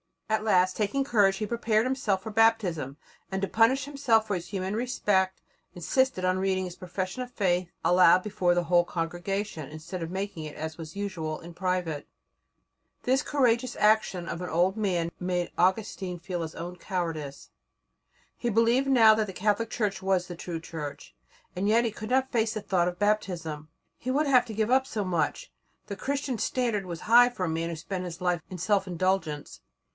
At last taking courage, he prepared himself for Baptism, and, to punish himself for his human respect, insisted on reading his profession of faith aloud before the whole congregation, instead of making it, as was usual, in private. This courageous action of an old man made Augustine feel his own cowardice. He believed now that the Catholic Church was the true Church, and yet he could not face the thought of Baptism. He would have to give up so much. The Christian standard was high for a man who had spent his life in self indulgence.